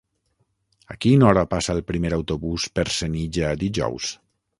A quina hora passa el primer autobús per Senija dijous?